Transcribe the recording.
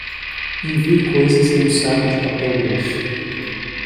Envie coisas em um saco de papel grosso.